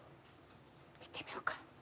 行ってみようか。